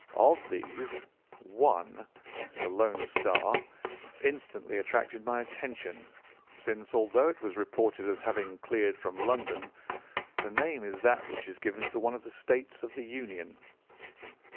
Of these, one, the Lone Star, instantly attracted my attention, since, although it was reported as having cleared from London, the name is that which is given to one of the states of the Union."